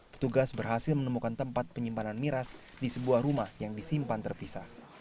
petugas berhasil menemukan tempat penyimpanan miras di sebuah rumah yang disimpan terpisah